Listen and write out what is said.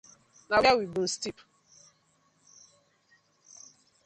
Na where we been stip?